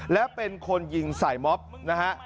และเป็นคนยิงใส่ม็อบนะฮะ